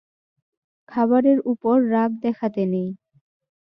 খাবারের উপর রাগ দেখাতে নেই।